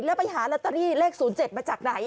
แล้วไปหาลอตเตอรี่เลข๐๗มาจากไหน